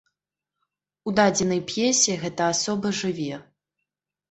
У дадзенай п'есе гэта асоба жыве.